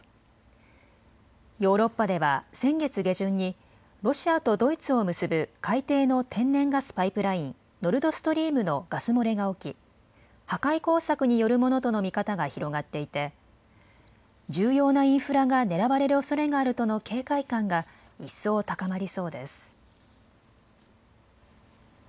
ヨーロッパでは先月下旬にロシアとドイツを結ぶ海底の天然ガスパイプライン、ノルドストリームのガス漏れが起き、破壊工作によるものとの見方が広がっていて重要なインフラが狙われるおそれがあるとの警戒感が一層高まりそうです。